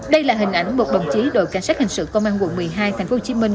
đây là hình ảnh một bộng trí đội cảnh sát hành sự công an quận một mươi hai thành phố hồ chí minh